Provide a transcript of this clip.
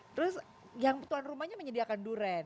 terus yang tuan rumahnya menyediakan durian